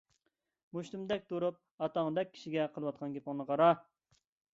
— مۇشتۇمدەك تۇرۇپ، ئاتاڭدەك كىشىگە قىلىۋاتقان گېپىڭنى قارا.